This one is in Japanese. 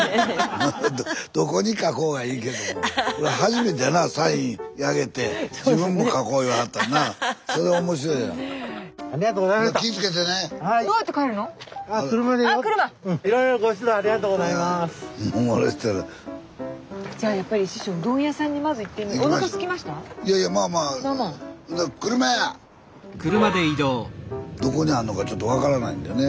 スタジオどこにあんのかちょっと分からないんでね。